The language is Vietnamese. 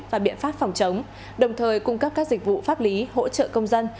và biện pháp phòng chống đồng thời cung cấp các dịch vụ pháp lý hỗ trợ công dân